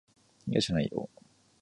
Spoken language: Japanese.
いやじゃないよ。